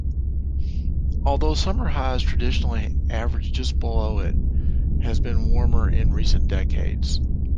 Although summer highs traditionally averaged just below it has been warmer in recent decades.